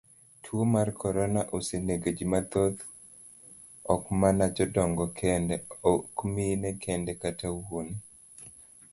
Tuo mar korona osenegoji mathoth ok mana jodongo kende, ok mine kende kata wuone.